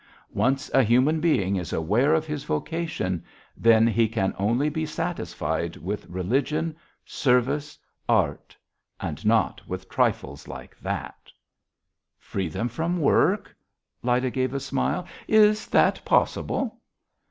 Once a human being is aware of his vocation, then he can only be satisfied with religion, service, art, and not with trifles like that." "Free them from work?" Lyda gave a smile. "Is that possible?"